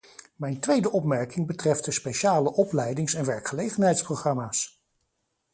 Mijn tweede opmerking betreft de speciale opleidings- en werkgelegenheidsprogramma's.